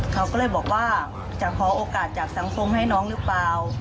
เขาก็เลยบอกว่าจะขอโอกาสจากสังคมให้น้องหรือเปล่า